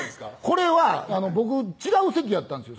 これは僕違う席やったんですよ